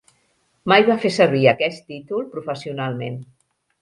Mai va fer servir aquest títol professionalment.